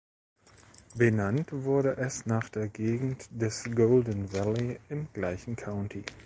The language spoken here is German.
Benannt wurde es nach der Gegend des Golden Valley im gleichen County.